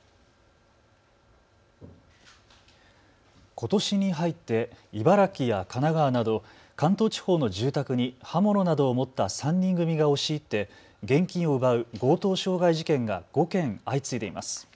ことしに入って茨城や神奈川など関東地方の住宅に刃物などを持った３人組が押し入って現金を奪う強盗傷害事件が５件相次いでいます。